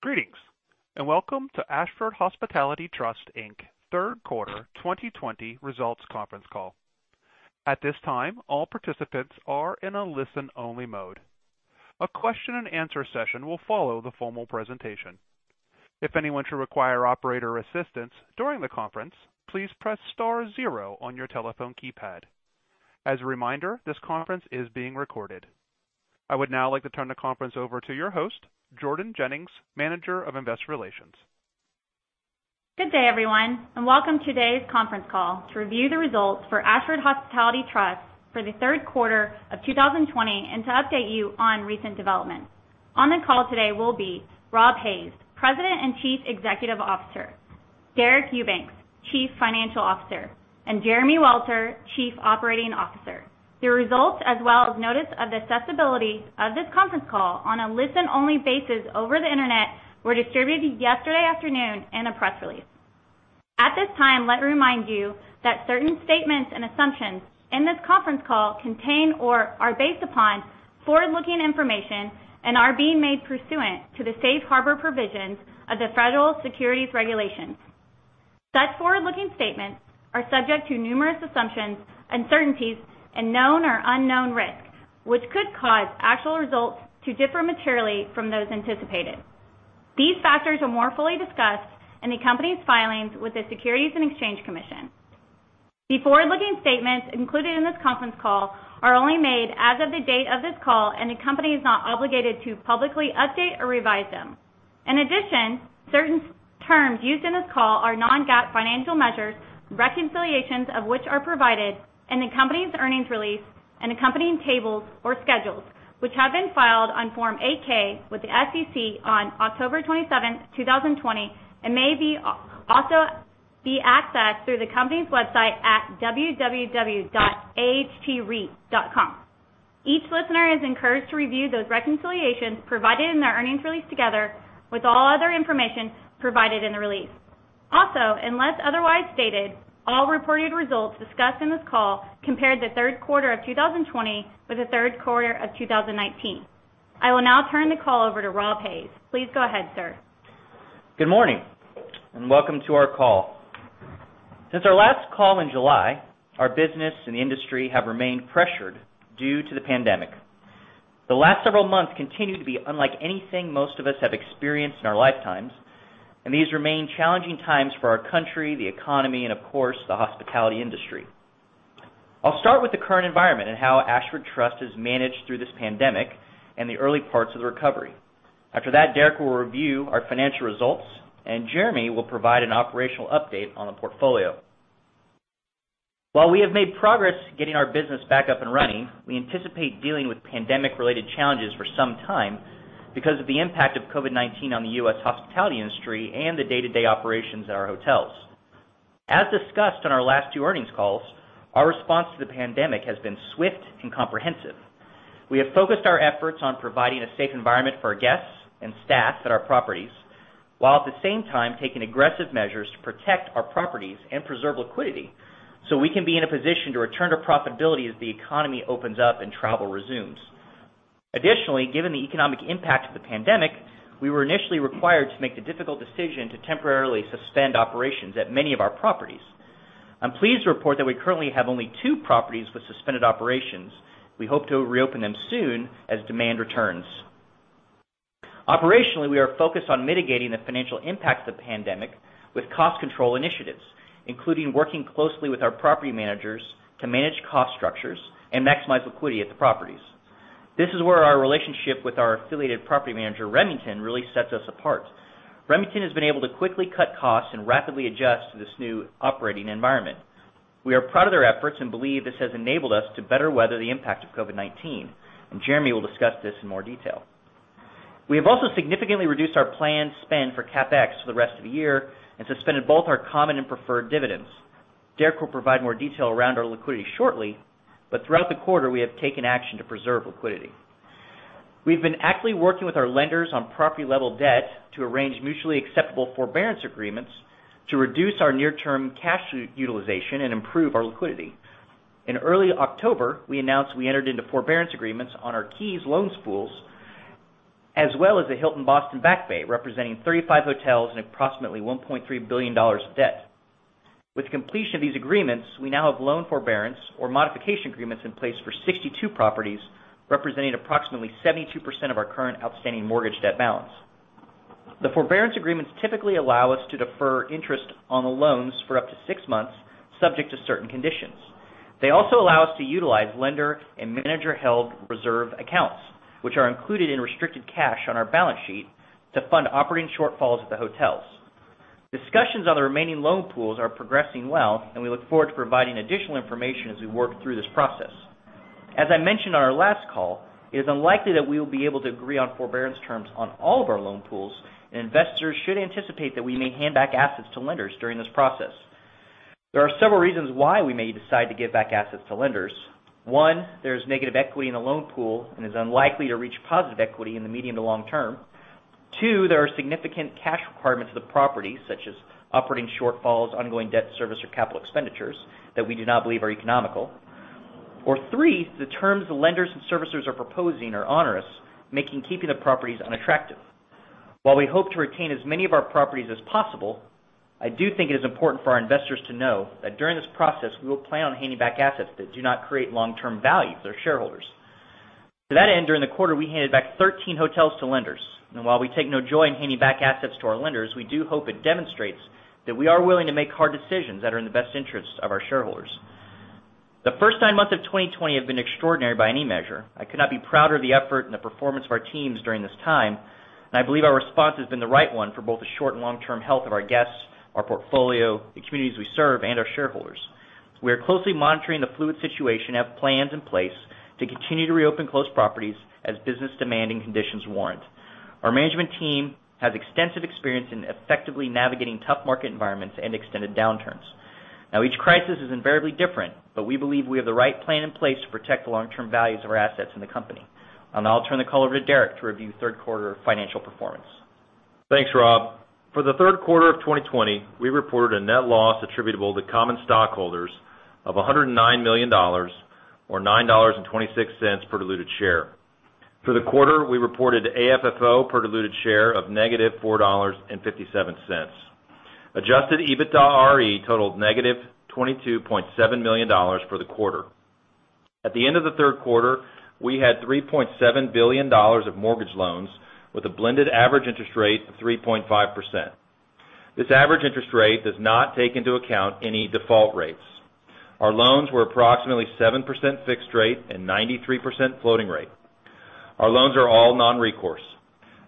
Greetings, and welcome to Ashford Hospitality Trust Inc. Third Quarter 2020 Results Conference Call. At this time all participants are in a listen only mode a question and answer session will follow the formal presentation. If anyone should require operator assistance during the conference please press star zero on your telephone keypad. As a reminder this conference is being recorded. I would now like to turn the conference over to your host, Jordan Jennings, Manager of Investor Relations. Good day, everyone, and welcome to today's conference call to review the results for Ashford Hospitality Trust for the third quarter of 2020 and to update you on recent developments. On the call today will be Rob Hays, President and Chief Executive Officer, Deric Eubanks, Chief Financial Officer, and Jeremy Welter, Chief Operating Officer. The results, as well as notice of accessibility of this conference call on a listen-only basis over the internet, were distributed yesterday afternoon in a press release. At this time, let me remind you that certain statements and assumptions in this conference call contain or are based upon forward-looking information and are being made pursuant to the safe harbor provisions of the Federal Securities Regulations. Such forward-looking statements are subject to numerous assumptions, uncertainties, and known or unknown risks, which could cause actual results to differ materially from those anticipated. These factors are more fully discussed in the company's filings with the Securities and Exchange Commission. The forward-looking statements included in this conference call are only made as of the date of this call, and the company is not obligated to publicly update or revise them. In addition, certain terms used in this call are non-GAAP financial measures, reconciliations of which are provided in the company's earnings release and accompanying tables or schedules, which have been filed on Form 8-K with the SEC on October 27, 2020, and may also be accessed through the company's website at www.ahtreit.com. Each listener is encouraged to review those reconciliations provided in the earnings release together with all other information provided in the release. Also, unless otherwise stated, all reported results discussed in this call compare the third quarter of 2020 with the third quarter of 2019. I will now turn the call over to Rob Hays. Please go ahead, sir. Good morning, welcome to our call. Since our last call in July, our business and the industry have remained pressured due to the pandemic. The last several months continue to be unlike anything most of us have experienced in our lifetimes, and these remain challenging times for our country, the economy, and of course, the hospitality industry. I'll start with the current environment and how Ashford Trust has managed through this pandemic and the early parts of the recovery. After that, Deric will review our financial results, and Jeremy will provide an operational update on the portfolio. While we have made progress getting our business back up and running, we anticipate dealing with pandemic-related challenges for some time because of the impact of COVID-19 on the U.S. hospitality industry and the day-to-day operations at our hotels. As discussed on our last two earnings calls, our response to the pandemic has been swift and comprehensive. We have focused our efforts on providing a safe environment for our guests and staff at our properties, while at the same time taking aggressive measures to protect our properties and preserve liquidity, so we can be in a position to return to profitability as the economy opens up and travel resumes. Additionally, given the economic impact of the pandemic, we were initially required to make the difficult decision to temporarily suspend operations at many of our properties. I'm pleased to report that we currently have only two properties with suspended operations. We hope to reopen them soon as demand returns. Operationally, we are focused on mitigating the financial impact of the pandemic with cost control initiatives, including working closely with our property managers to manage cost structures and maximize liquidity at the properties. This is where our relationship with our affiliated property manager, Remington, really sets us apart. Remington has been able to quickly cut costs and rapidly adjust to this new operating environment. We are proud of their efforts and believe this has enabled us to better weather the impact of COVID-19, and Jeremy will discuss this in more detail. We have also significantly reduced our planned spend for CapEx for the rest of the year and suspended both our common and preferred dividends. Deric will provide more detail around our liquidity shortly, but throughout the quarter, we have taken action to preserve liquidity. We've been actively working with our lenders on property-level debt to arrange mutually acceptable forbearance agreements to reduce our near-term cash utilization and improve our liquidity. In early October, we announced we entered into forbearance agreements on our KEYS loan pools, as well as the Hilton Boston Back Bay, representing 35 hotels and approximately $1.3 billion of debt. With completion of these agreements, we now have loan forbearance or modification agreements in place for 62 properties, representing approximately 72% of our current outstanding mortgage debt balance. The forbearance agreements typically allow us to defer interest on the loans for up to six months, subject to certain conditions. They also allow us to utilize lender and manager-held reserve accounts, which are included in restricted cash on our balance sheet, to fund operating shortfalls at the hotels. Discussions on the remaining loan pools are progressing well, and we look forward to providing additional information as we work through this process. As I mentioned on our last call, it is unlikely that we will be able to agree on forbearance terms on all of our loan pools, and investors should anticipate that we may hand back assets to lenders during this process. There are several reasons why we may decide to give back assets to lenders. One, there's negative equity in the loan pool and is unlikely to reach positive equity in the medium to long term. Two, there are significant cash requirements of the property, such as operating shortfalls, ongoing debt service, or capital expenditures that we do not believe are economical. Three, the terms the lenders and servicers are proposing are onerous, making keeping the properties unattractive. While we hope to retain as many of our properties as possible, I do think it is important for our investors to know that during this process, we will plan on handing back assets that do not create long-term value for their shareholders. To that end, during the quarter, we handed back 13 hotels to lenders. While we take no joy in handing back assets to our lenders, we do hope it demonstrates that we are willing to make hard decisions that are in the best interest of our shareholders. The first nine months of 2020 have been extraordinary by any measure. I could not be prouder of the effort and the performance of our teams during this time, and I believe our response has been the right one for both the short and long-term health of our guests, our portfolio, the communities we serve, and our shareholders. We are closely monitoring the fluid situation and have plans in place to continue to reopen closed properties as business demand and conditions warrant. Our management team has extensive experience in effectively navigating tough market environments and extended downturns. Each crisis is invariably different, but we believe we have the right plan in place to protect the long-term values of our assets in the company. I'll now turn the call over to Deric to review third quarter financial performance. Thanks, Rob. For the third quarter of 2020, we reported a net loss attributable to common stockholders of $109 million, or $9.26 per diluted share. For the quarter, we reported AFFO per diluted share of -$4.57. Adjusted EBITDAre totaled -$22.7 million for the quarter. At the end of the third quarter, we had $3.7 billion of mortgage loans with a blended average interest rate of 3.5%. This average interest rate does not take into account any default rates. Our loans were approximately 7% fixed rate and 93% floating rate. Our loans are all non-recourse.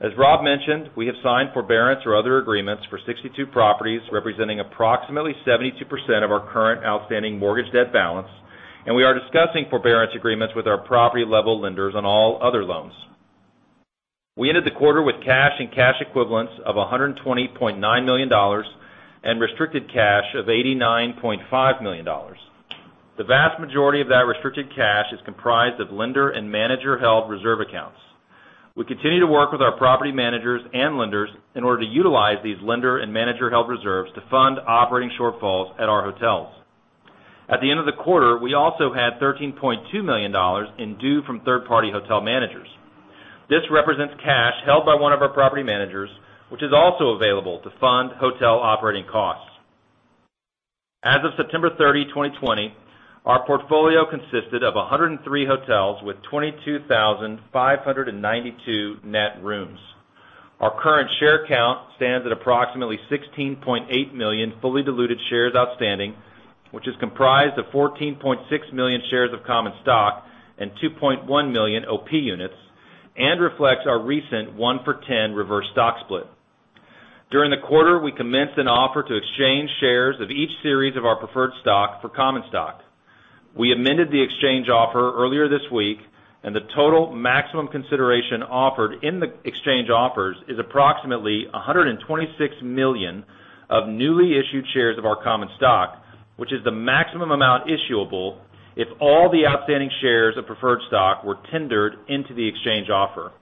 As Rob mentioned, we have signed forbearance or other agreements for 62 properties, representing approximately 72% of our current outstanding mortgage debt balance, and we are discussing forbearance agreements with our property-level lenders on all other loans. We ended the quarter with cash and cash equivalents of $120.9 million and restricted cash of $89.5 million. The vast majority of that restricted cash is comprised of lender and manager-held reserve accounts. We continue to work with our property managers and lenders in order to utilize these lender and manager-held reserves to fund operating shortfalls at our hotels. At the end of the quarter, we also had $13.2 million in due from third-party hotel managers. This represents cash held by one of our property managers, which is also available to fund hotel operating costs. As of September 30, 2020, our portfolio consisted of 103 hotels with 22,592 net rooms. Our current share count stands at approximately 16.8 million fully diluted shares outstanding, which is comprised of 14.6 million shares of common stock and 2.1 million OP units and reflects our recent one-for-10 reverse stock split. During the quarter, we commenced an offer to exchange shares of each series of our preferred stock for common stock. The total maximum consideration offered in the exchange offers is approximately $126 million of newly issued shares of our common stock. Which is the maximum amount issuable if all the outstanding shares of preferred stock were tendered into the exchange offer.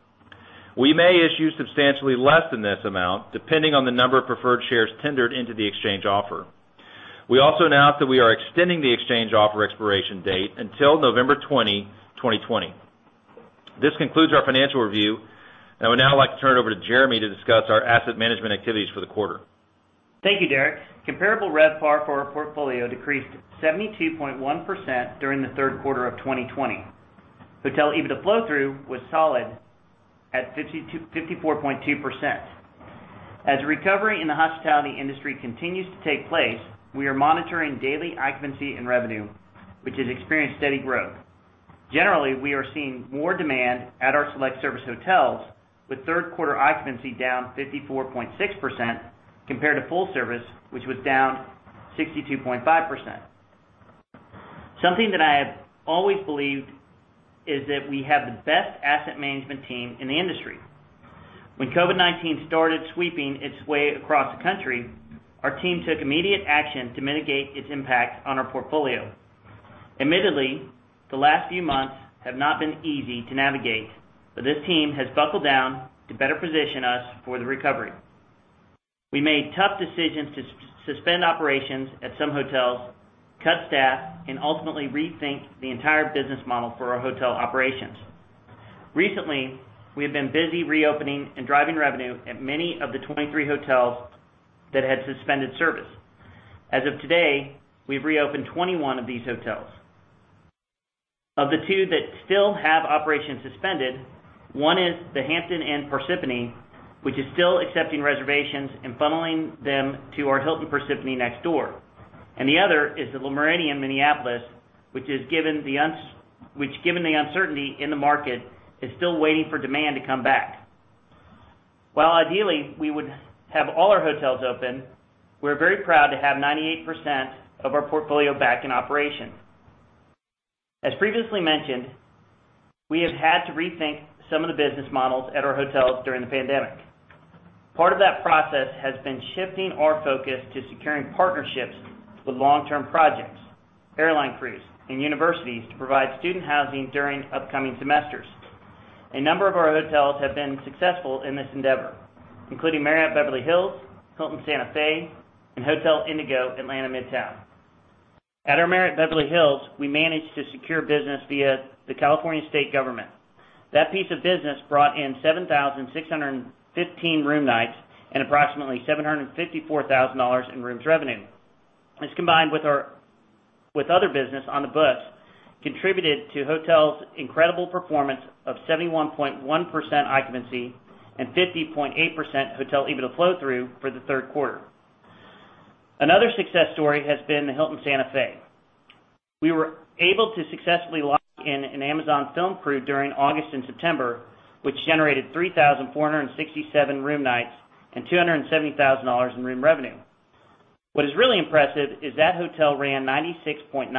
We may issue substantially less than this amount, depending on the number of preferred shares tendered into the exchange offer. We also announced that we are extending the exchange offer expiration date until November 20, 2020. This concludes our financial review. I would now like to turn it over to Jeremy to discuss our asset management activities for the quarter. Thank you, Deric. Comparable RevPAR for our portfolio decreased 72.1% during the third quarter of 2020. Hotel EBITDA flow-through was solid at 54.2%. Recovery in the hospitality industry continues to take place, we are monitoring daily occupancy and revenue, which has experienced steady growth. Generally, we are seeing more demand at our select service hotels, with third quarter occupancy down 54.6%, compared to full service, which was down 62.5%. Something that I have always believed is that we have the best asset management team in the industry. When COVID-19 started sweeping its way across the country, our team took immediate action to mitigate its impact on our portfolio. Admittedly, the last few months have not been easy to navigate, but this team has buckled down to better position us for the recovery. We made tough decisions to suspend operations at some hotels, cut staff, and ultimately rethink the entire business model for our hotel operations. Recently, we have been busy reopening and driving revenue at many of the 23 hotels that had suspended service. As of today, we've reopened 21 of these hotels. Of the two that still have operations suspended, one is the Hampton Inn Parsippany, which is still accepting reservations and funneling them to our Hilton Parsippany next door. The other is the Le Meridien Minneapolis, which given the uncertainty in the market, is still waiting for demand to come back. While ideally we would have all our hotels open, we're very proud to have 98% of our portfolio back in operation. As previously mentioned, we have had to rethink some of the business models at our hotels during the pandemic. Part of that process has been shifting our focus to securing partnerships with long-term projects, airline crews, and universities to provide student housing during upcoming semesters. A number of our hotels have been successful in this endeavor, including Beverly Hills Marriott, Hilton Santa Fe, and Hotel Indigo Atlanta Midtown. At our Beverly Hills Marriott, we managed to secure business via the California state government. That piece of business brought in 7,615 room nights and approximately $754,000 in rooms revenue. This, combined with other business on the books, contributed to hotel's incredible performance of 71.1% occupancy and 50.8% hotel EBITDA flow-through for the third quarter. Another success story has been the Hilton Santa Fe. We were able to successfully lock in an Amazon film crew during August and September, which generated 3,467 room nights and $270,000 in room revenue. What is really impressive is that hotel ran 96.9%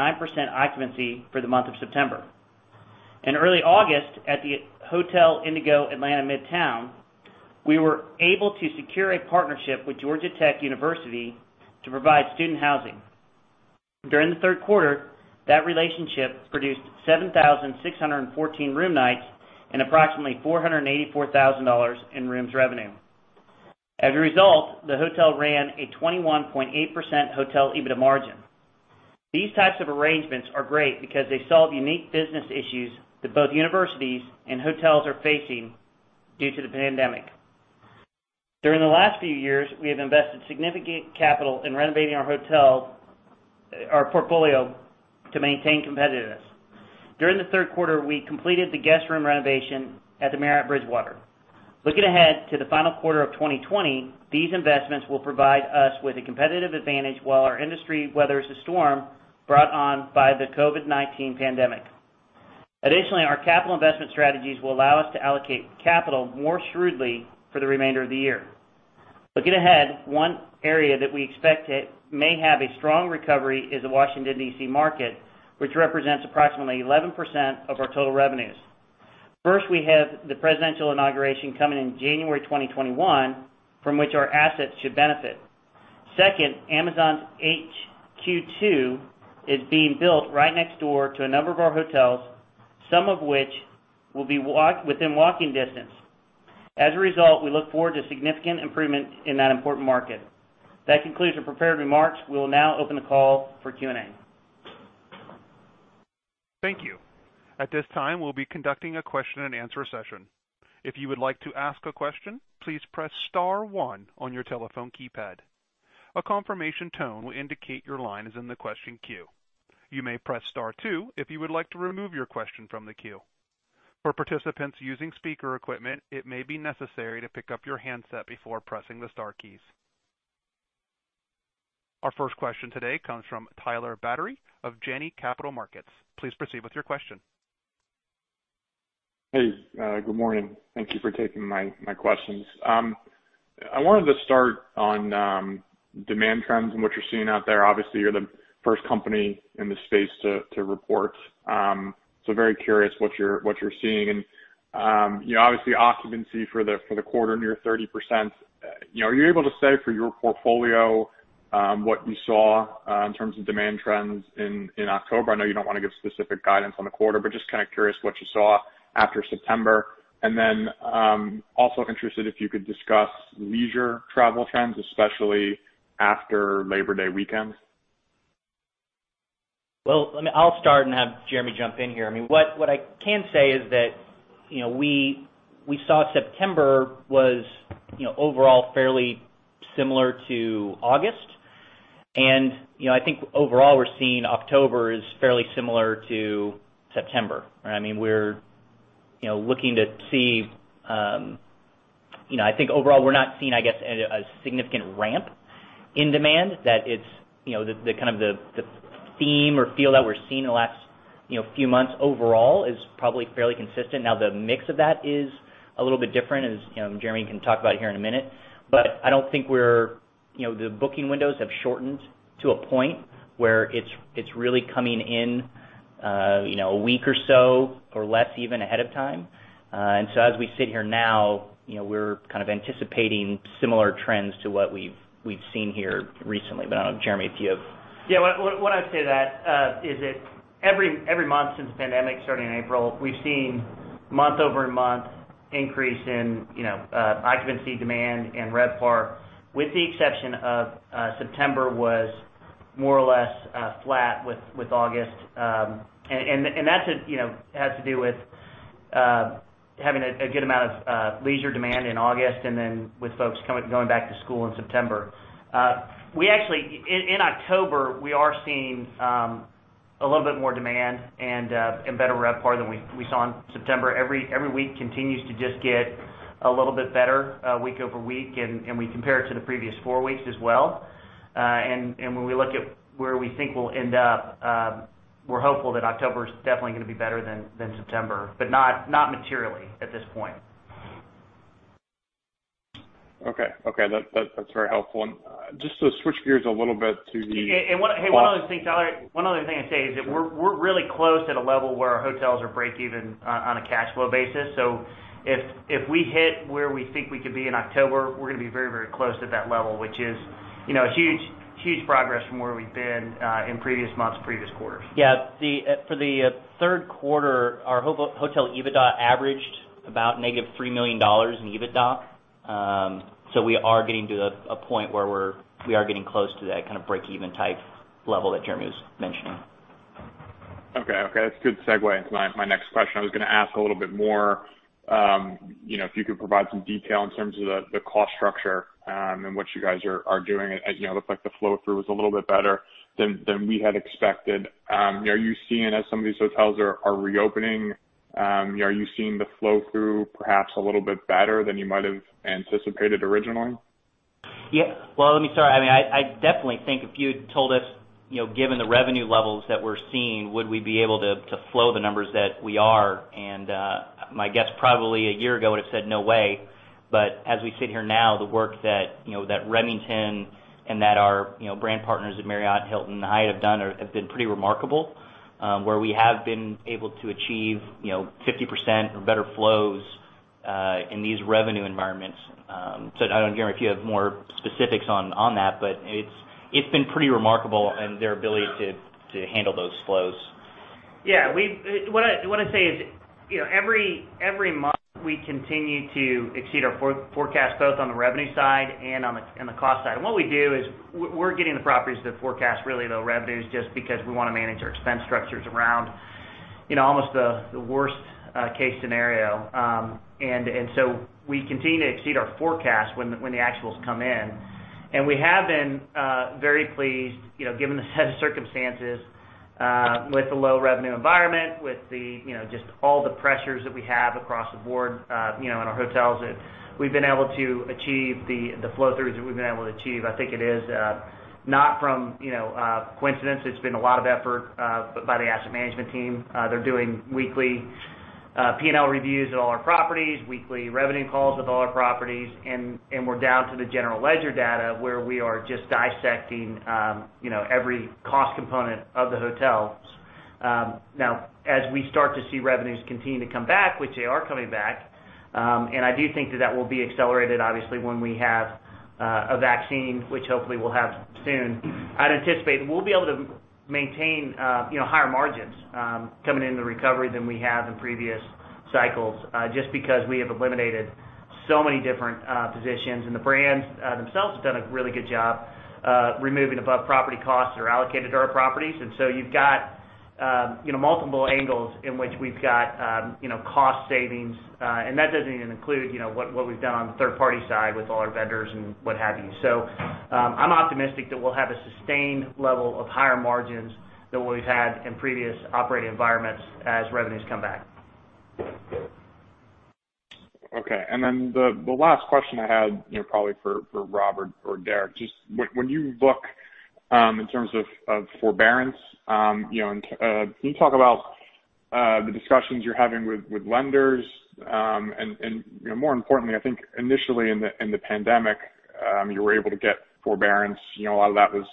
occupancy for the month of September. In early August at the Hotel Indigo Atlanta Midtown, we were able to secure a partnership with Georgia Tech University to provide student housing. During the third quarter, that relationship produced 7,614 room nights and approximately $484,000 in rooms revenue. As a result, the hotel ran a 21.8% hotel EBITDA margin. These types of arrangements are great because they solve unique business issues that both universities and hotels are facing due to the pandemic. During the last few years, we have invested significant capital in renovating our portfolio to maintain competitiveness. During the third quarter, we completed the guest room renovation at the Marriott Bridgewater. Looking ahead to the final quarter of 2020, these investments will provide us with a competitive advantage while our industry weathers the storm brought on by the COVID-19 pandemic. Additionally, our capital investment strategies will allow us to allocate capital more shrewdly for the remainder of the year. Looking ahead, one area that we expect may have a strong recovery is the Washington, D.C. market, which represents approximately 11% of our total revenues. First, we have the presidential inauguration coming in January 2021, from which our assets should benefit. Second, Amazon's HQ2 is being built right next door to a number of our hotels, some of which will be within walking distance. As a result, we look forward to significant improvement in that important market. That concludes our prepared remarks. We'll now open the call for Q&A. Thank you. At this time, we'll be conducting a question and answer session. If you would like to ask a question please press star one on your telephone keypad. A confirmation tone will indicate that your line is on the queue. You may press star two If you would like to remove your question from the queue. For the participants using the speaker equipment it may be necessary to pick up the handset before pressing the star keys. Our first question today comes from Tyler Batory of Janney Montgomery Scott. Please proceed with your question. Hey, good morning. Thank you for taking my questions. I wanted to start on demand trends and what you're seeing out there. Obviously, you're the first company in this space to report. Very curious what you're seeing. Obviously, occupancy for the quarter, near 30%. Are you able to say for your portfolio, what you saw in terms of demand trends in October? I know you don't want to give specific guidance on the quarter, but just kind of curious what you saw after September. Also interested if you could discuss leisure travel trends, especially after Labor Day weekend. Well, I'll start and have Jeremy jump in here. What I can say is that, we saw September was overall fairly similar to August. I think overall we're seeing October is fairly similar to September. I think overall, we're not seeing, I guess, a significant ramp in demand. That the kind of the theme or feel that we're seeing in the last few months overall is probably fairly consistent. The mix of that is a little bit different, as Jeremy can talk about here in a minute. I don't think the booking windows have shortened to a point where it's really coming in a week or so, or less even, ahead of time. As we sit here now, we're kind of anticipating similar trends to what we've seen here recently. I don't know, Jeremy, if you have? What I'd say to that is that every month since the pandemic started in April, we've seen month-over-month increase in occupancy demand and RevPAR, with the exception of September was more or less flat with August. That has to do with having a good amount of leisure demand in August and then with folks going back to school in September. We actually, in October, we are seeing a little bit more demand and better RevPAR than we saw in September. Every week continues to just get a little bit better week-over-week, and we compare it to the previous four weeks as well. When we look at where we think we'll end up, we're hopeful that October's definitely going to be better than September. Not materially at this point. Okay. That's very helpful. Just to switch gears a little bit. Hey, one other thing, Tyler, one other thing I'd say is that we're really close at a level where our hotels are break even on a cash flow basis. If we hit where we think we could be in October, we're going to be very, very close to that level, which is huge progress from where we've been in previous months, previous quarters. For the third quarter, our hotel EBITDA averaged about -$3 million in EBITDA. We are getting to a point where we are getting close to that kind of breakeven type level that Jeremy was mentioning. Okay. That's a good segue into my next question. I was going to ask a little bit more, if you could provide some detail in terms of the cost structure and what you guys are doing. It looked like the flow-through was a little bit better than we had expected. Are you seeing, as some of these hotels are reopening, are you seeing the flow-through perhaps a little bit better than you might have anticipated originally? Well, let me start. I definitely think if you'd told us, given the revenue levels that we're seeing, would we be able to flow the numbers that we are? My guess, probably a year ago, would've said, "No way." As we sit here now, the work that Remington and that our brand partners at Marriott, Hilton, and Hyatt have done have been pretty remarkable, where we have been able to achieve 50% or better flows, in these revenue environments. I don't know, Jeremy, if you have more specifics on that, but it's been pretty remarkable in their ability to handle those flows. Yeah. What I'd say is, every month, we continue to exceed our forecast, both on the revenue side and on the cost side. What we do is we're getting the properties to forecast, really, the revenues just because we want to manage our expense structures around almost the worst case scenario. We continue to exceed our forecast when the actuals come in. We have been very pleased, given the set of circumstances, with the low revenue environment, with just all the pressures that we have across the board in our hotels, that we've been able to achieve the flow-throughs that we've been able to achieve. I think it is not from coincidence. It's been a lot of effort, by the asset management team. They're doing weekly P&L reviews at all our properties, weekly revenue calls with all our properties, and we're down to the general ledger data, where we are just dissecting every cost component of the hotels. Now, as we start to see revenues continue to come back, which they are coming back, and I do think that that will be accelerated, obviously, when we have a vaccine, which hopefully we'll have soon. I'd anticipate we'll be able to maintain higher margins coming into the recovery than we have in previous cycles, just because we have eliminated so many different positions. The brands themselves have done a really good job removing above-property costs that are allocated to our properties. So you've got multiple angles in which we've got cost savings. That doesn't even include what we've done on the third-party side with all our vendors and what have you. I'm optimistic that we'll have a sustained level of higher margins than what we've had in previous operating environments as revenues come back. Okay, the last question I had probably for Rob or Deric, just when you look in terms of forbearance, can you talk about the discussions you're having with lenders? More importantly, I think initially in the pandemic, you were able to get forbearance. A lot of that was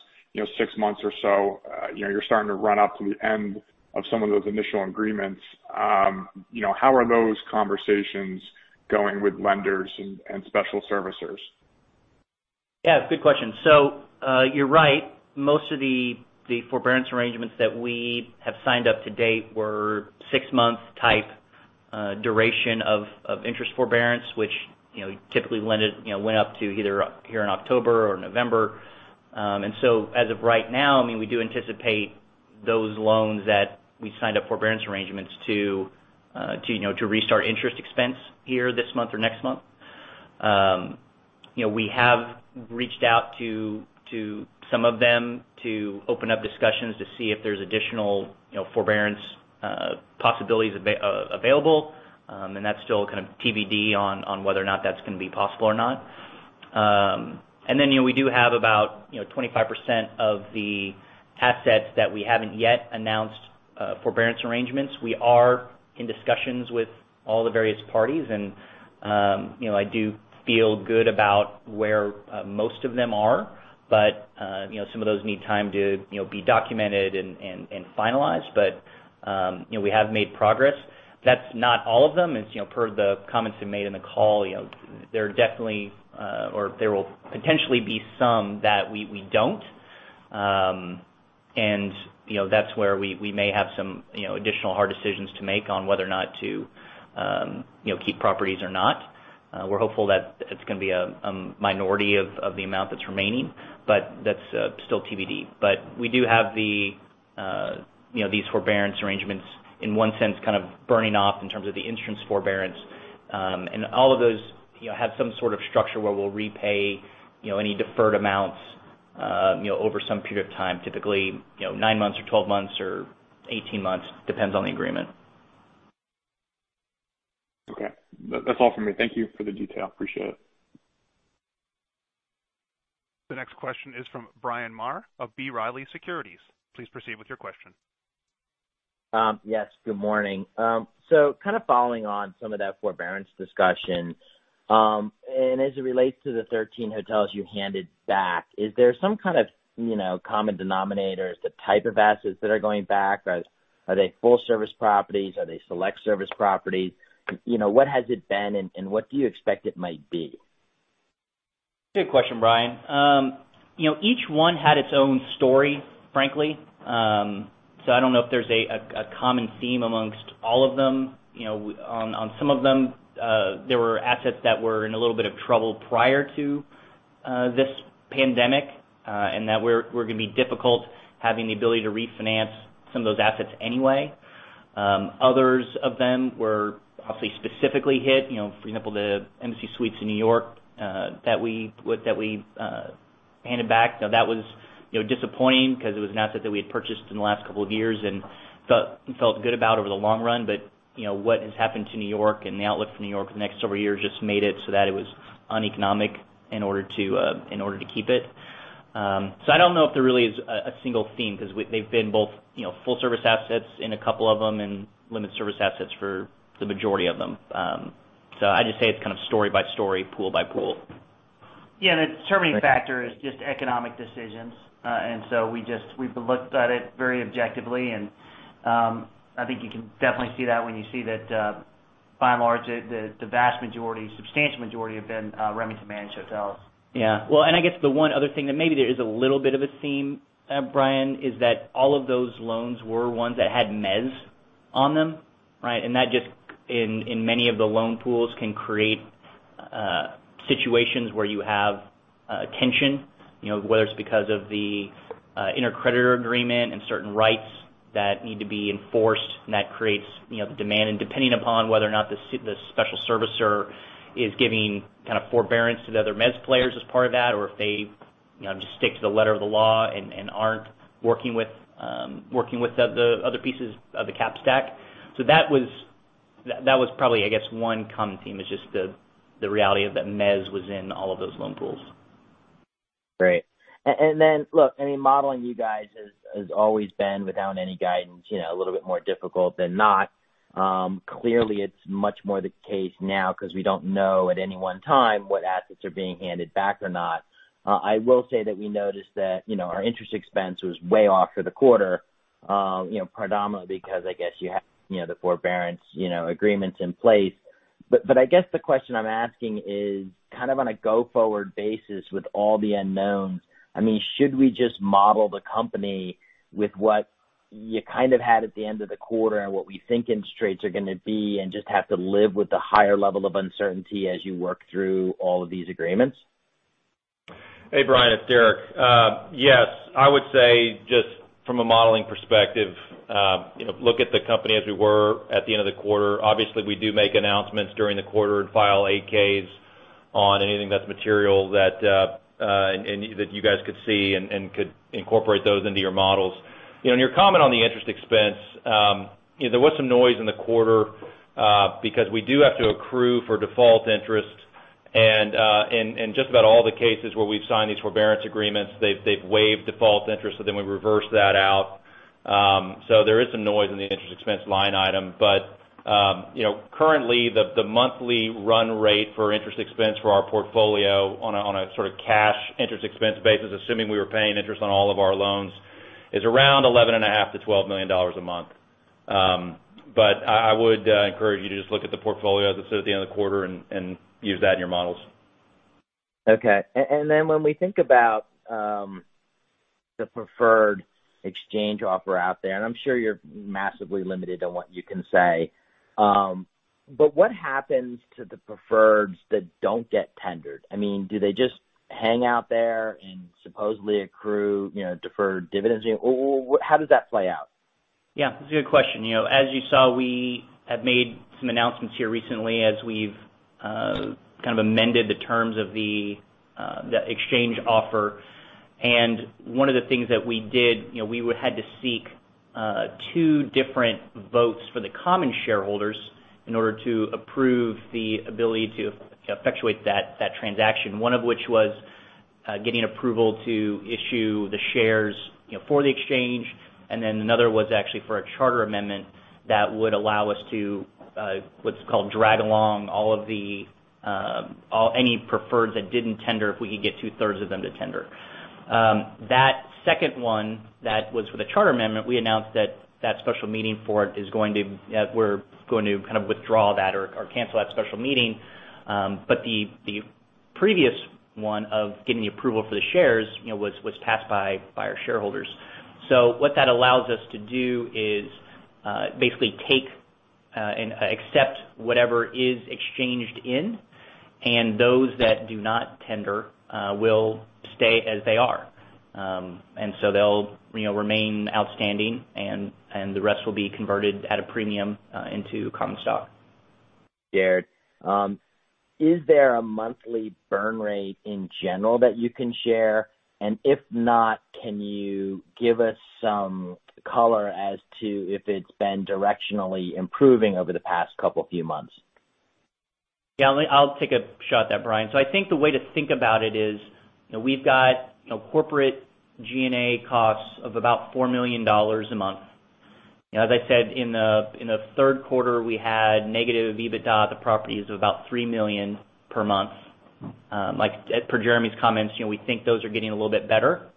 six months or so. You're starting to run up to the end of some of those initial agreements. How are those conversations going with lenders and special servicers? Yeah, good question. You're right. Most of the forbearance arrangements that we have signed up to date were six-month type duration of interest forbearance, which typically went up to either here in October or November. As of right now, we do anticipate those loans that we signed up forbearance arrangements to restart interest expense here this month or next month. We have reached out to some of them to open up discussions to see if there's additional forbearance possibilities available. That's still kind of TBD on whether or not that's going to be possible or not. Then, we do have about 25% of the assets that we haven't yet announced forbearance arrangements. We are in discussions with all the various parties, and I do feel good about where most of them are. Some of those need time to be documented and finalized. We have made progress. That's not all of them. As per the comments we made in the call, there will potentially be some that we don't. That's where we may have some additional hard decisions to make on whether or not to keep properties or not. We're hopeful that it's going to be a minority of the amount that's remaining, but that's still TBD. We do have these forbearance arrangements, in one sense, kind of burning off in terms of the insurance forbearance. All of those have some sort of structure where we'll repay any deferred amounts over some period of time. Typically, nine months or 12 months or 18 months, depends on the agreement. Okay. That's all for me. Thank you for the detail. Appreciate it. The next question is from Bryan Maher of B. Riley Securities. Please proceed with your question. Yes, good morning. Kind of following on some of that forbearance discussion, and as it relates to the 13 hotels you handed back, is there some kind of common denominator? Is the type of assets that are going back, are they full-service properties? Are they select service properties? What has it been and what do you expect it might be? Good question, Bryan. Each one had its own story, frankly. I don't know if there's a common theme amongst all of them. On some of them, there were assets that were in a little bit of trouble prior to this pandemic, and that were going to be difficult having the ability to refinance some of those assets anyway. Others of them were hopefully specifically hit. For example, the Embassy Suites in New York that we handed back. Now, that was disappointing because it was an asset that we had purchased in the last couple of years and felt good about over the long run. What has happened to New York and the outlook for New York for the next several years just made it so that it was uneconomic in order to keep it. I don't know if there really is a single theme because they've been both full-service assets in a couple of them and limited service assets for the majority of them. I'd just say it's kind of story by story, pool by pool. Yeah, and the determining factor is just economic decisions. We've looked at it very objectively and I think you can definitely see that when you see that by and large, the vast majority, substantial majority have been Remington managed hotels. Yeah. Well, I guess the one other thing that maybe there is a little bit of a theme, Bryan, is that all of those loans were ones that had Mezz on them. Right? That just in many of the loan pools can create situations where you have tension, whether it's because of the intercreditor agreement and certain rights that need to be enforced, and that creates the demand. Depending upon whether or not the special servicer is giving kind of forbearance to the other Mezz players as part of that, or if they just stick to the letter of the law and aren't working with the other pieces of the cap stack. That was probably, I guess one common theme is just the reality of that Mezz was in all of those loan pools. Great. Look, modeling you guys has always been without any guidance, a little bit more difficult than not. Clearly it's much more the case now because we don't know at any one time what assets are being handed back or not. I will say that we noticed that our interest expense was way off for the quarter predominantly because I guess you have the forbearance agreements in place. I guess the question I'm asking is kind of on a go-forward basis with all the unknowns. Should we just model the company with what you kind of had at the end of the quarter and what we think interest rates are going to be and just have to live with the higher level of uncertainty as you work through all of these agreements? Hey, Bryan, it's Deric. I would say just from a modeling perspective, look at the company as we were at the end of the quarter. Obviously, we do make announcements during the quarter and file 8-Ks on anything that's material that you guys could see and could incorporate those into your models. Your comment on the interest expense. There was some noise in the quarter because we do have to accrue for default interest. In just about all the cases where we've signed these forbearance agreements, they've waived default interest, we reverse that out. There is some noise in the interest expense line item. Currently the monthly run rate for interest expense for our portfolio on a sort of cash interest expense basis, assuming we were paying interest on all of our loans, is around $11.5 million-$12 million a month. I would encourage you to just look at the portfolio as it sit at the end of the quarter and use that in your models. Okay. Then when we think about the preferred exchange offer out there, I'm sure you're massively limited on what you can say, what happens to the preferreds that don't get tendered? Do they just hang out there and supposedly accrue deferred dividends? How does that play out? Yeah, that's a good question. As you saw, we have made some announcements here recently as we've kind of amended the terms of the exchange offer. One of the things that we did, we had to seek two different votes for the common shareholders in order to approve the ability to effectuate that transaction. One of which was getting approval to issue the shares for the exchange, and then another was actually for a charter amendment that would allow us to what's called drag along any preferred that didn't tender if we could get two-thirds of them to tender. That second one, that was for the charter amendment. We announced that that special meeting for it, we're going to kind of withdraw that or cancel that special meeting. The previous one of getting the approval for the shares was passed by our shareholders. What that allows us to do is basically take and accept whatever is exchanged in, and those that do not tender will stay as they are. They'll remain outstanding and the rest will be converted at a premium into common stock. Jeremy, is there a monthly burn rate in general that you can share? If not, can you give us some color as to if it's been directionally improving over the past couple few months? Yeah, I'll take a shot at that, Bryan. I think the way to think about it is, we've got corporate G&A costs of about $4 million a month. As I said, in the third quarter, we had negative EBITDA at the properties of about $3 million per month. Per Jeremy's comments, we think those are getting a little bit better.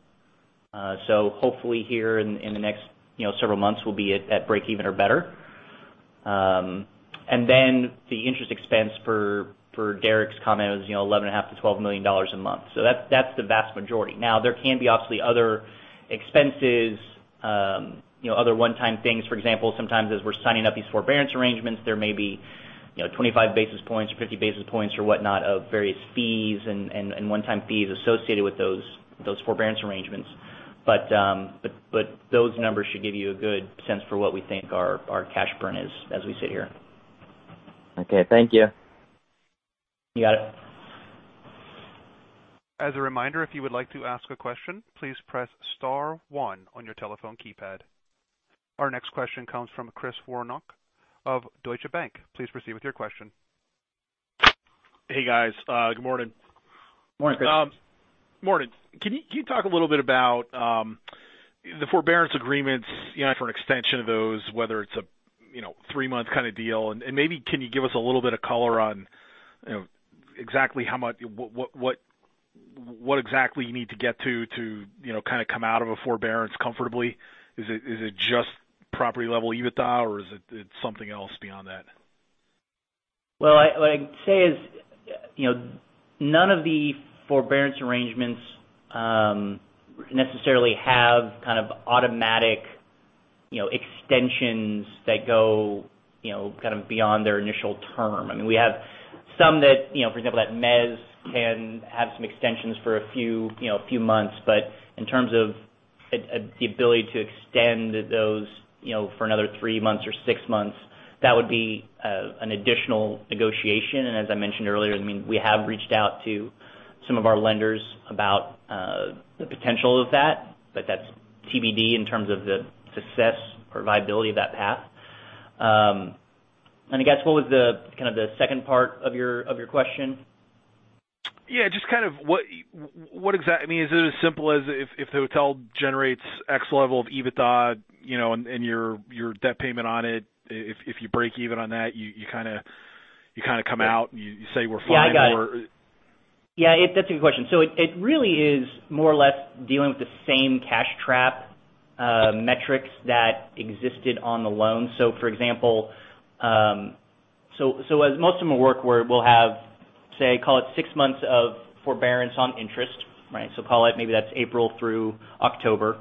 Hopefully here in the next several months, we'll be at break even or better. The interest expense for Deric's comment is $11.5 million-$12 million a month. That's the vast majority. There can be obviously other expenses, other one-time things. For example, sometimes as we're signing up these forbearance arrangements, there may be 25 basis points or 50 basis points or whatnot of various fees and one-time fees associated with those forbearance arrangements. Those numbers should give you a good sense for what we think our cash burn is as we sit here. Okay. Thank you. You got it. As a reminder if you would to ask a question please press star one on your telephone keypad. Our next question comes from Chris Woronka of Deutsche Bank. Please proceed with your question. Hey, guys. Good morning. Morning, Chris. Morning. Can you talk a little bit about the forbearance agreements for an extension of those, whether it's a three-month kind of deal? Maybe can you give us a little bit of color on what exactly you need to get to come out of a forbearance comfortably? Is it just property-level EBITDA, or is it something else beyond that? What I can say is none of the forbearance arrangements necessarily have kind of automatic extensions that go beyond their initial term. We have some that, for example, that Mezz can have some extensions for a few months. In terms of the ability to extend those for another three months or six months, that would be an additional negotiation. As I mentioned earlier, we have reached out to some of our lenders about the potential of that, but that's TBD in terms of the success or viability of that path. I guess what was the second part of your question? Yeah, is it as simple as if the hotel generates X level of EBITDA and your debt payment on it, if you break even on that, you kind of come out, you say we're fine? Yeah, I got it. Yeah, that's a good question. It really is more or less dealing with the same cash trap metrics that existed on the loan. For example, as most of them work where we'll have, say, call it 6 months of forbearance on interest. Call it maybe that's April through October,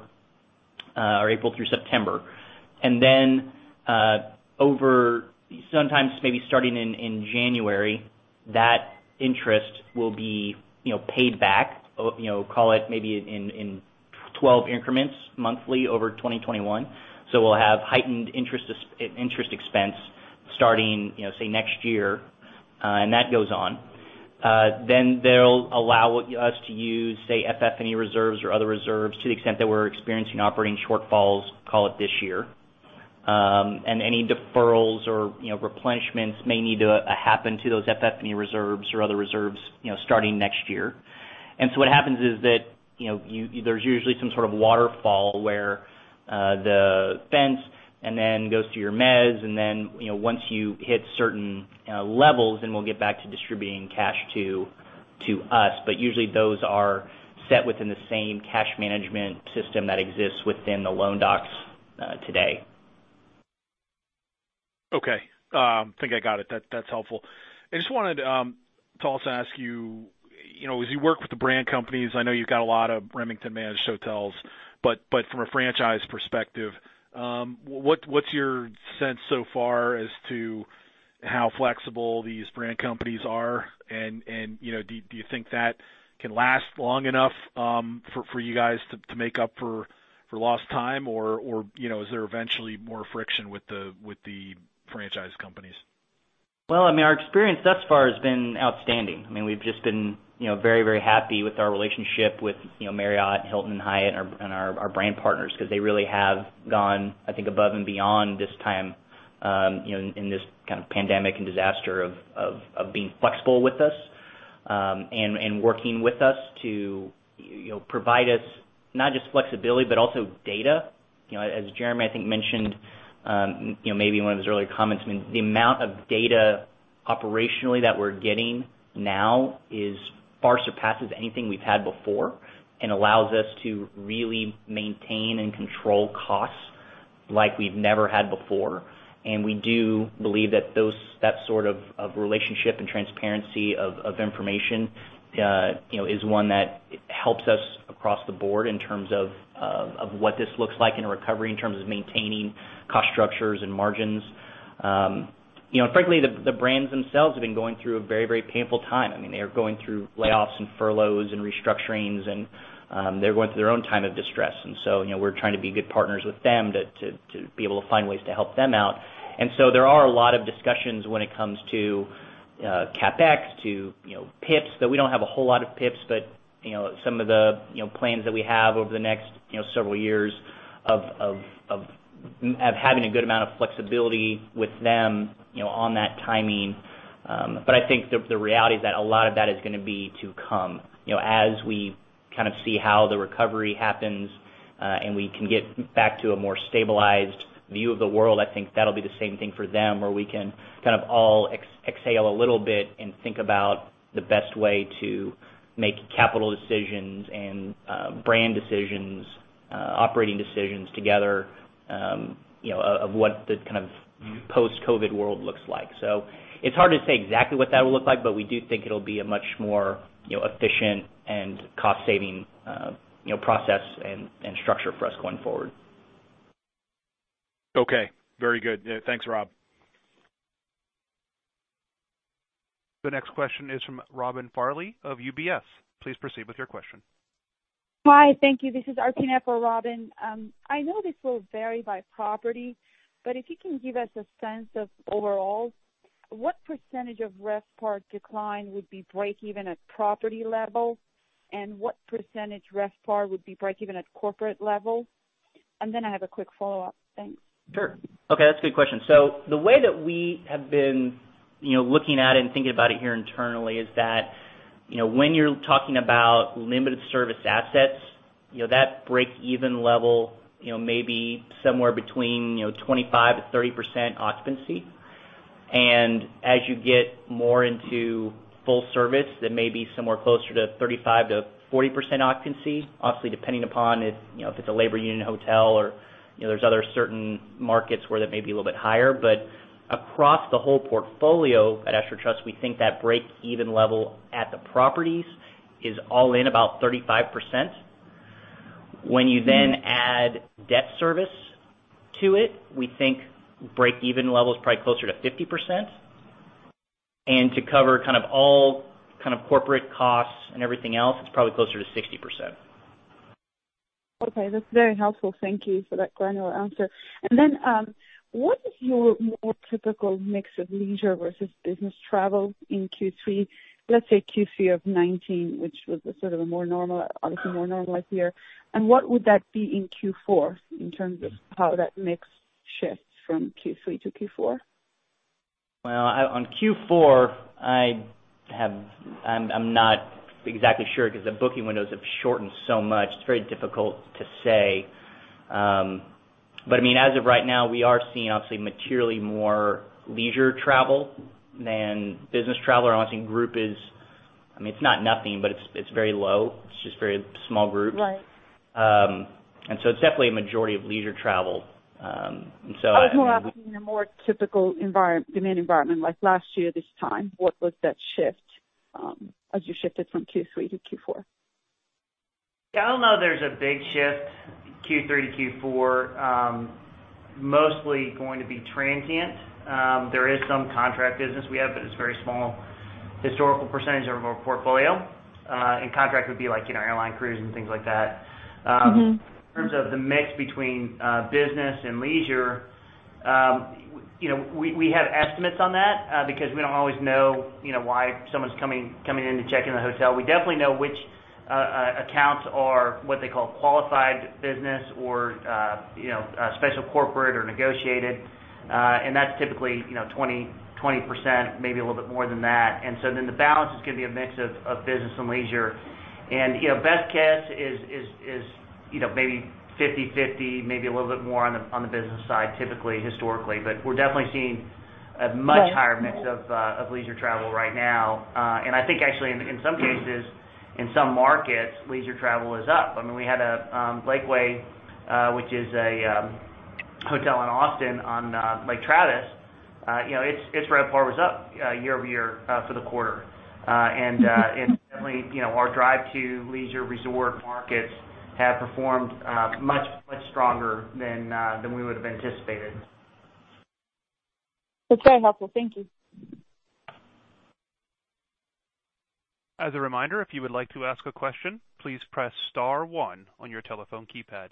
or April through September. Over sometimes maybe starting in January, that interest will be paid back, call it maybe in 12 increments monthly over 2021. We'll have heightened interest expense starting say next year, and that goes on. They'll allow us to use, say, FF&E reserves or other reserves to the extent that we're experiencing operating shortfalls, call it this year. Any deferrals or replenishments may need to happen to those FF&E reserves or other reserves starting next year. What happens is that there's usually some sort of waterfall where the first and then goes to your Mezz, and then once you hit certain levels, then we'll get back to distributing cash to us. Usually those are set within the same cash management system that exists within the loan docs today. Okay. I think I got it. That's helpful. I just wanted to also ask you, as you work with the brand companies, I know you've got a lot of Remington managed hotels, but from a franchise perspective, what's your sense so far as to how flexible these brand companies are? Do you think that can last long enough for you guys to make up for lost time, or is there eventually more friction with the franchise companies? Well, our experience thus far has been outstanding. We've just been very happy with our relationship with Marriott, Hilton, Hyatt, and our brand partners because they really have gone, I think, above and beyond this time in this kind of pandemic and disaster of being flexible with us and working with us to provide us not just flexibility but also data. As Jeremy, I think, mentioned maybe in one of his earlier comments, the amount of data operationally that we're getting now far surpasses anything we've had before and allows us to really maintain and control costs like we've never had before. We do believe that that sort of relationship and transparency of information is one that helps us across the board in terms of what this looks like in a recovery, in terms of maintaining cost structures and margins. The brands themselves have been going through a very painful time. They are going through layoffs and furloughs and restructurings, and they're going through their own time of distress. We're trying to be good partners with them to be able to find ways to help them out. There are a lot of discussions when it comes to CapEx, to PIPs, though we don't have a whole lot of PIPs, but some of the plans that we have over the next several years of having a good amount of flexibility with them on that timing. I think the reality is that a lot of that is going to be to come. As we kind of see how the recovery happens, and we can get back to a more stabilized view of the world, I think that'll be the same thing for them, where we can kind of all exhale a little bit and think about the best way to make capital decisions and brand decisions, operating decisions together, of what the kind of post-COVID world looks like. It's hard to say exactly what that will look like, but we do think it'll be a much more efficient and cost-saving process and structure for us going forward. Okay. Very good. Thanks, Rob. The next question is from Robin Farley of UBS. Please proceed with your question. Hi, thank you. This is Arpine for Robin. I know this will vary by property, but if you can give us a sense of overall, what percentage of RevPAR decline would be break even at property level, and what percentage RevPAR would be break even at corporate level? I have a quick follow-up. Thanks. Sure. Okay, that's a good question. The way that we have been looking at it and thinking about it here internally is that, when you're talking about limited service assets, that break-even level may be somewhere between 25%-30% occupancy. As you get more into full service, that may be somewhere closer to 35%-40% occupancy, obviously depending upon if it's a labor union hotel or there's other certain markets where that may be a little bit higher. Across the whole portfolio at Ashford Trust, we think that break-even level at the properties is all in about 35%. When you then add debt service to it, we think break-even level is probably closer to 50%, and to cover all kind of corporate costs and everything else, it's probably closer to 60%. Okay, that's very helpful. Thank you for that granular answer. What is your more typical mix of leisure versus business travel in Q3? Let's say Q3 of 2019, which was sort of obviously a more normalized year. What would that be in Q4 in terms of how that mix shifts from Q3 to Q4? Well, on Q4, I'm not exactly sure because the booking windows have shortened so much. It's very difficult to say. As of right now, we are seeing obviously materially more leisure travel than business travel. Obviously group is, it's not nothing, but it's very low. It's just very small groups. Right. It's definitely a majority of leisure travel. I was more asking in a more typical demand environment like last year this time, what was that shift as you shifted from Q3 to Q4? Yeah, I don't know there's a big shift Q3 to Q4. Mostly going to be transient. There is some contract business we have, but it's very small historical percentage of our portfolio. Contract would be like airline crews and things like that. In terms of the mix between business and leisure, we have estimates on that, because we don't always know why someone's coming in to check in the hotel. We definitely know which accounts are what they call qualified business or special corporate or negotiated. That's typically 20%, maybe a little bit more than that. The balance is going to be a mix of business and leisure. Best guess is maybe 50/50, maybe a little bit more on the business side, typically, historically. We're definitely seeing a much higher mix of leisure travel right now. I think actually in some cases, in some markets, leisure travel is up. We had Lakeway, which is a hotel in Austin on Lake Travis. Its RevPAR was up year-over-year for the quarter. Definitely our drive to leisure resort markets have performed much, much stronger than we would've anticipated. That's very helpful. Thank you. As a reminder if you would like to ask a question please press star one on your telephone keypad.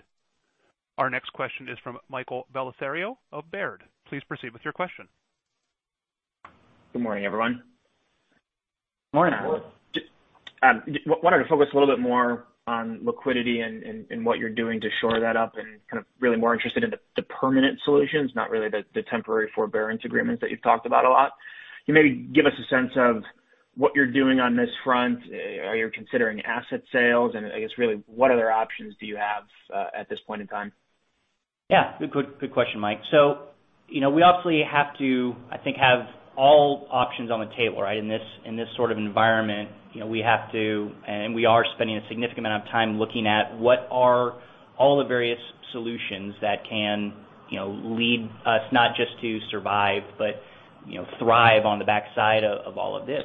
Our next question is from Michael Bellisario of Baird. Please proceed with your question. Good morning, everyone. Morning. Wanted to focus a little bit more on liquidity and what you're doing to shore that up and kind of really more interested in the permanent solutions, not really the temporary forbearance agreements that you've talked about a lot. Can you maybe give us a sense of what you're doing on this front? Are you considering asset sales? I guess really, what other options do you have at this point in time? Good question, Mike. We obviously have to have all options on the table, right? In this sort of environment, we have to, and we are spending a significant amount of time looking at what are all the various solutions that can lead us not just to survive, but thrive on the backside of all of this.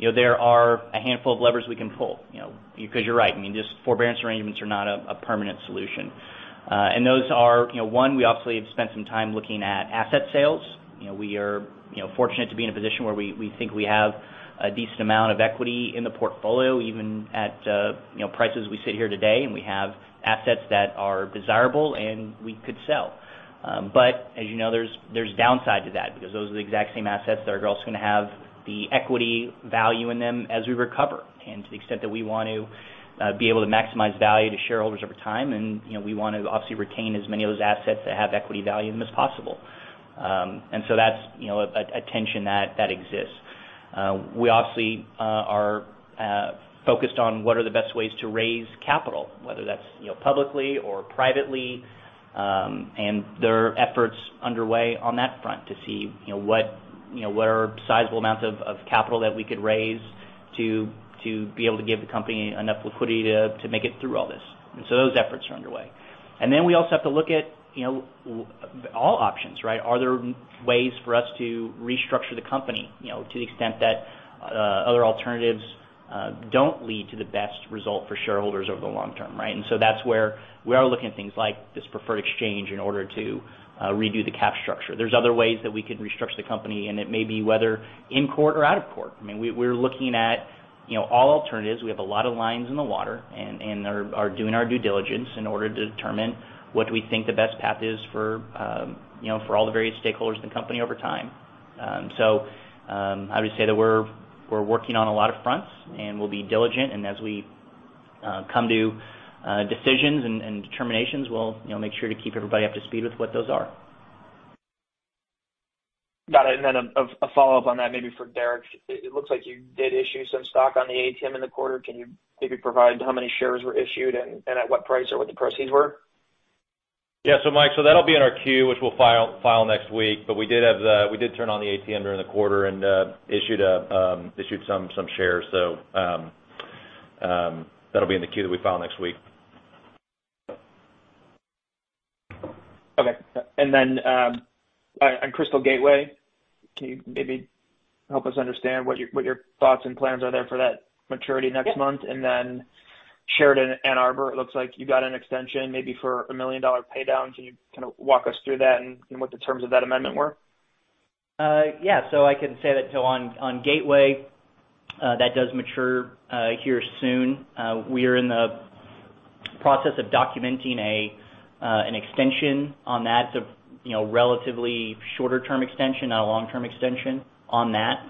There are a handful of levers we can pull, because you're right, these forbearance arrangements are not a permanent solution. Those are, one, we obviously have spent some time looking at asset sales. We are fortunate to be in a position where we think we have a decent amount of equity in the portfolio, even at prices we sit here today, and we have assets that are desirable and we could sell. As you know, there's downside to that, because those are the exact same assets that are also going to have the equity value in them as we recover, and to the extent that we want to be able to maximize value to shareholders over time, and we want to obviously retain as many of those assets that have equity value in them as possible. That's a tension that exists. We obviously are focused on what are the best ways to raise capital, whether that's publicly or privately. There are efforts underway on that front to see what are sizable amounts of capital that we could raise to be able to give the company enough liquidity to make it through all this. Those efforts are underway. We also have to look at all options, right? Are there ways for us to restructure the company to the extent that other alternatives don't lead to the best result for shareholders over the long term, right? That's where we are looking at things like this preferred exchange in order to redo the cap structure. There's other ways that we could restructure the company, and it may be whether in court or out of court. I mean, we're looking at all alternatives. We have a lot of lines in the water, and are doing our due diligence in order to determine what we think the best path is for all the various stakeholders in the company over time. I would say that we're working on a lot of fronts, and we'll be diligent, and as we come to decisions and determinations, we'll make sure to keep everybody up to speed with what those are. Got it. Then a follow-up on that, maybe for Deric. It looks like you did issue some stock on the ATM in the quarter. Can you maybe provide how many shares were issued and at what price, or what the proceeds were? Yeah. Mike, that'll be in our Q, which we'll file next week. We did turn on the ATM during the quarter and issued some shares. That'll be in the Q that we file next week. Okay. On Crystal Gateway, can you maybe help us understand what your thoughts and plans are there for that maturity next month? Sheraton Ann Arbor, it looks like you got an extension maybe for a $1 million pay down. Can you kind of walk us through that and what the terms of that amendment were? Yeah. I can say that on Gateway, that does mature here soon. We are in the process of documenting an extension on that. It's a relatively shorter-term extension, not a long-term extension on that.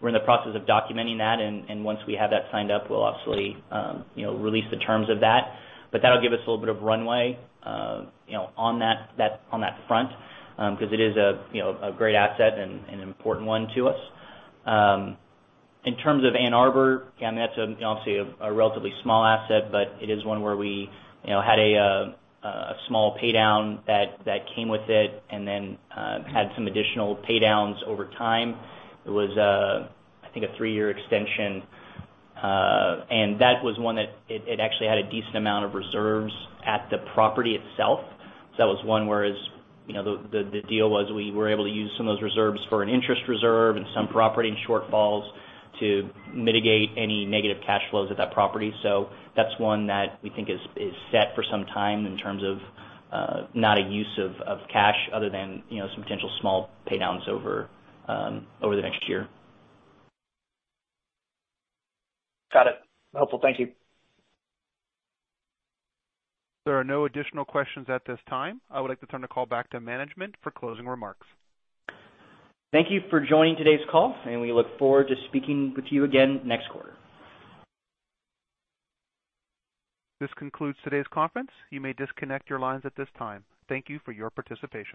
We're in the process of documenting that, and once we have that signed up, we'll obviously release the terms of that. That'll give us a little bit of runway on that front, because it is a great asset and an important one to us. In terms of Ann Arbor, again, that's obviously a relatively small asset, but it is one where we had a small pay down that came with it and then had some additional pay downs over time. It was, I think, a three-year extension. That was one that it actually had a decent amount of reserves at the property itself. That was one whereas the deal was we were able to use some of those reserves for an interest reserve and some property shortfalls to mitigate any negative cash flows at that property. That's one that we think is set for some time in terms of not a use of cash other than some potential small pay downs over the next year. Got it. Helpful. Thank you. There are no additional questions at this time. I would like to turn the call back to management for closing remarks. Thank you for joining today's call. We look forward to speaking with you again next quarter. This concludes today's conference. You may disconnect your lines at this time. Thank you for your participation.